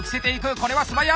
これは素早い！